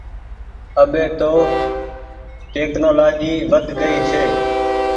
اٻي تو ٽيڪنولآجي ود گئي ڇي۔